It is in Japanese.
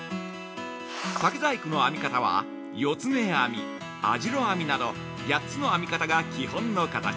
竹細工の編み方は、四つ目編み網代編みなど８つの編み方が基本の形。